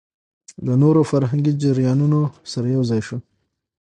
له نورو فرهنګي جريانونو سره يوځاى شو